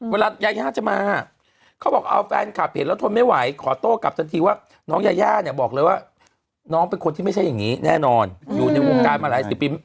เวลายาย่าจะมาเขาบอกเอาแฟนคลับเห็นแล้วทนไม่ไหวขอโต้กลับทันทีว่าน้องยาย่าเนี่ยบอกเลยว่าน้องเป็นคนที่ไม่ใช่อย่างนี้แน่นอนอยู่ในวงการมาหลายสิบปี